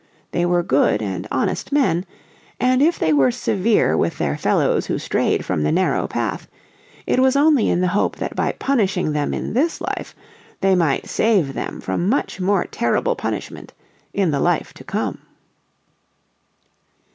They were good and honest men. And if they were severe with their fellows who strayed from the narrow path, it was only in the hope that by punishing them in this life, they might save them from much more terrible punishment in the life to come.